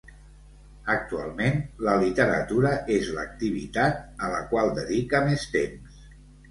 Actualment, la literatura és l'activitat a la qual dedica més temps.